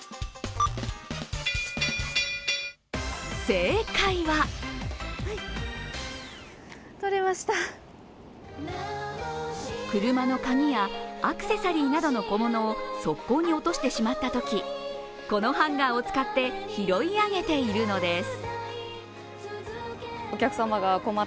正解は車の鍵やアクセサリーなどの小物を側溝に落としてしまったときこのハンガーを使って拾い上げているのです。